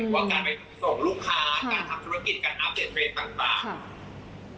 ว่าการไปส่งลูกค้าการทำธุรกิจการอัปเดตเทรนด์ต่าง